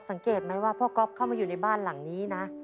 สังเกตไหมว่าพ่อก๊อฟเข้ามาอยู่ในบ้านหลังนี้นะ